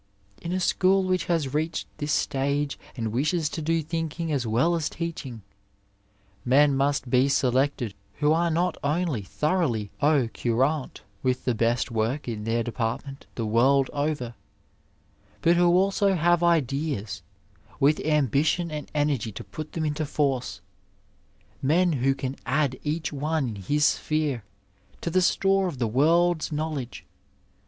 In a school which has reached this stage and wishes to do thinking as well as teaching, men must be selected who are not only thoroughly au oouratU with the best work in their depart ment the world over, but who also have ideas, with am bition and energy to put them into force— men who can add each one in his sphere, to the store of the world's knowledge.